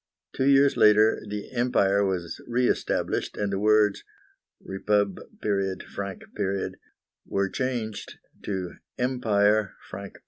Two years later the Empire was re established, and the words "REPUB. FRANC." were changed to "EMPIRE FRANC."